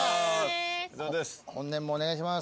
本年もお願いします。